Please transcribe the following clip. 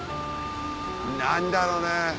何だろね。